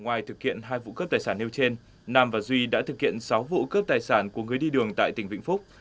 ngoài thực hiện hai vụ cướp tài sản nêu trên nam và duy đã thực hiện sáu vụ cướp tài sản của người đi đường tại tỉnh vĩnh phúc